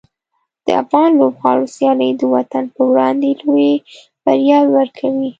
د افغان لوبغاړو سیالۍ د وطن پر وړاندې لویې بریاوې ورکوي.